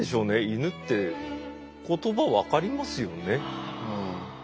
イヌって言葉分かりますよね。